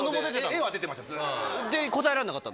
絵は出てました。